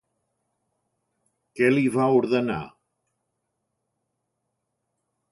Què li va ordenar?